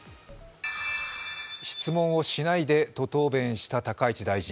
質問をしないでと答弁した高市大臣。